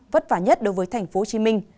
vất vả nhất đối với tp hcm